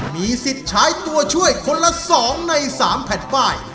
มีสิทธิ์ใช้ตัวช่วยคนละ๒ใน๓แผ่นป้าย